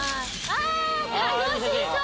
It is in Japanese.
楽しそう！